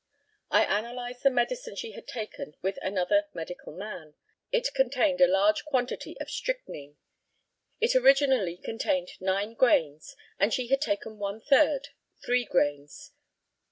I analysed the medicine she had taken with another medical man. It contained a large quantity of strychnine. It originally contained nine grains, and she had taken one third three grains.